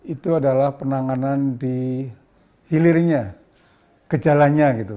itu adalah penanganan di hilirnya gejalanya gitu